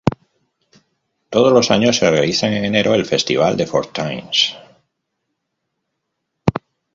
Todos los años se realiza en enero el "Festival de Fortines".